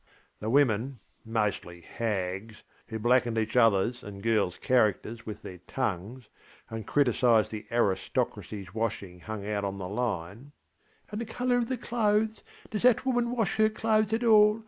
The women, mostly hags, who blackened each otherŌĆÖs and girlsŌĆÖ characters with their tongues, and criticised the aristocracyŌĆÖs washing hung out on the line: ŌĆśAnd the colour of the clothes! Does that woman wash her clothes at all?